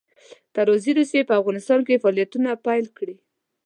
تزاري روسیې په افغانستان کې فعالیتونه پیل کړي.